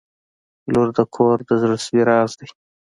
• لور د کور د زړسوي راز وي.